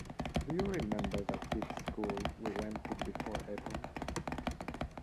Do you remember that kids' school we went to before Eton?